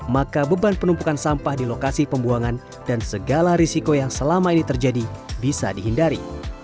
maka beban penumpukan sampah di lokasi pembuangan dan segala risiko yang selama ini terjadi bisa dihindari